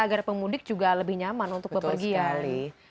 agar pemudik juga lebih nyaman untuk berpergian